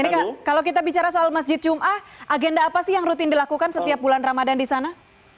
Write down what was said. ini kalau kita bicara soal masjid jum'ah agenda apa sih yang rutin dilakukan setiap bulan ramadhan di sana